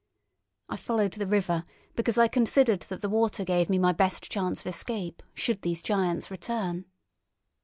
I followed the river, because I considered that the water gave me my best chance of escape should these giants return.